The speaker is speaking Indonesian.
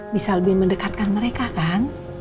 bisa lebih mendekatkan mereka kan